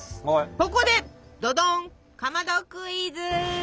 ここでどどんかまどクイズ！